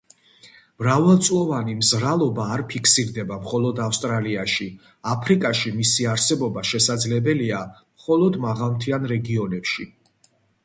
მრავალწლოვანი მზრალობა არ ფიქსირდება მხოლოდ ავსტრალიაში; აფრიკაში მისი არსებობა შესაძლებელია მხოლოდ მაღალმთიან რეგიონებში.